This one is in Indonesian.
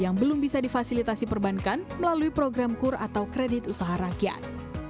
yang belum bisa difasilitasi perbankan melalui program kur atau kredit usaha rakyat